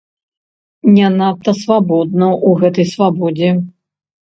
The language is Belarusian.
Не надта свабодна у гэтай свабодзе.